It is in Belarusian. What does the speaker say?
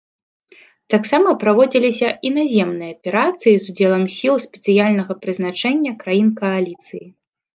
Таксама праводзіліся і наземныя аперацыі з удзелам сіл спецыяльнага прызначэння краін кааліцыі.